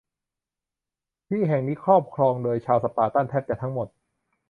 ที่แห่งนี้ครอบครองโดยชาวสปาร์ตันแทบจะทั้งหมด